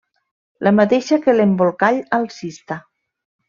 La mateixa que l'Embolcall alcista.